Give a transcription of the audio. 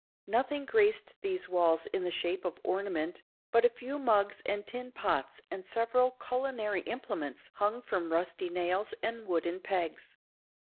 Nothing graced these walls in the shape of ornament; but a few mugs and tin pots and several culinary implements hung from rusty nails and wooden pegs.